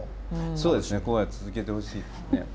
そうですね続けてほしいですね。